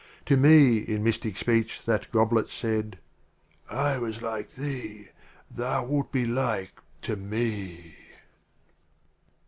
— To me in mystic Speech that Gob let said, "I was like thee, — thou wilt be like to me!"